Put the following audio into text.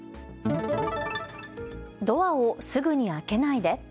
ドアをすぐに開けないで。